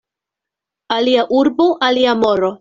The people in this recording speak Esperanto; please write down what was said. Alia urbo, alia moro.